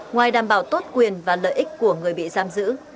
ngoài đảm bảo tốt quyền và lợi ích của người bị giam giữ